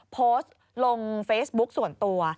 โพสต์ลงเฟซบุ๊กส่วนตัว